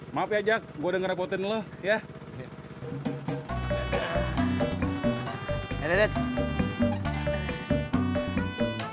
maaf ya ajak gue udah ngerepotin lo ya